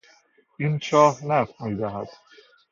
این چاه نفت میدهد.